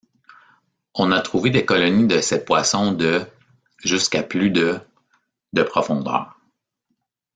On a trouvé des colonies de ces poissons de jusqu'à plus de de profondeur.